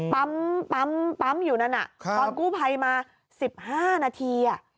ปั๊มปั๊มปั๊มอยู่นั่นอ่ะครับตอนกู้ไผ่มาสิบห้านาทีอ่ะ